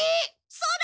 そうだ！